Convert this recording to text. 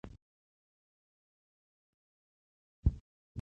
دا د ټولنپوهنې اصلي پیغام دی.